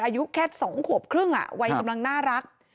อายุแค่๒ขวบครึ่งวัยกำลังน่ารัก